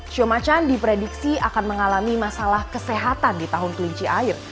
siomacan diprediksi akan mengalami masalah kesehatan di tahun kelinci air